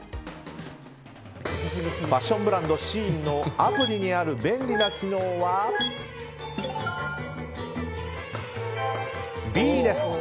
ファッションブランドＳＨＥＩＮのアプリにある便利な機能はＢです。